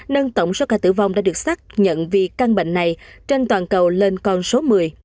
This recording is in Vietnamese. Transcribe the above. nâng tổng số ca tử vong đã được xác nhận vì căn bệnh này trên toàn cầu lên con số một mươi